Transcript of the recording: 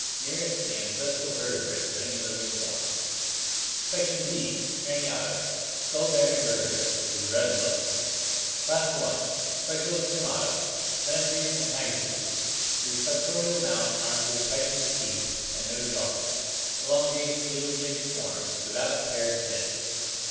Nearest the ancestral vertebrate of any living form. Section B. craniata (Gr. icpanov, skull). Skull bearing vertebrates, with red blood. Class I. Cyclostomata (Gr. jcvkAos, circle, and ord/xa, mouth). Lam preys and hag fishes. With suctorial mouth armed with chitinous tzeth, and no jaws. Elongate, eel shaped forms, without paired fins.